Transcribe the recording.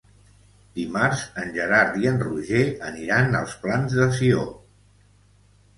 Dimarts en Gerard i en Roger aniran als Plans de Sió.